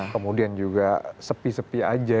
kemudian juga sepi sepi aja